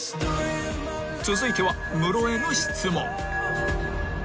［続いてはムロへの質問］